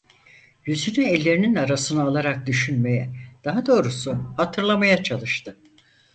Yüzünü ellerinin arasına alarak düşünmeye, daha doğrusu hatırlamaya çalıştı.